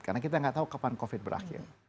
karena kita tidak tahu kapan covid berakhir